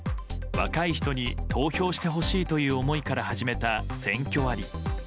若い人に投票してほしいという思いから始めた選挙割。